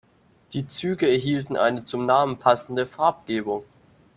Die Züge erhielten eine zum Namen passende Farbgebung.